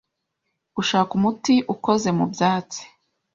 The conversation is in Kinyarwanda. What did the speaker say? gushaka umuti ukoze mu byatsi.